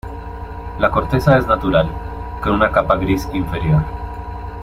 La corteza es natural, con una capa gris inferior.